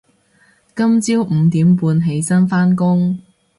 今朝五點半起身返工